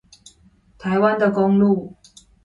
臺灣的公路